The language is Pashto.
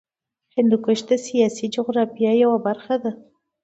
هندوکش د سیاسي جغرافیه یوه برخه ده.